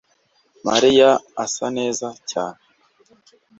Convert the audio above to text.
mariya asa neza cyane